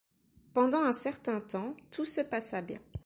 Pendant un certain temps, tout se passa bien.